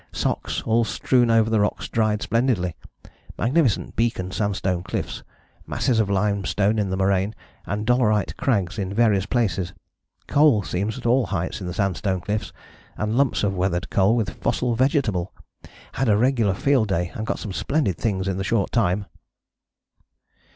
Socks, all strewn over the rocks, dried splendidly. Magnificent Beacon sandstone cliffs. Masses of limestone in the moraine, and dolerite crags in various places. Coal seams at all heights in the sandstone cliffs, and lumps of weathered coal with fossil vegetable. Had a regular field day and got some splendid things in the short time."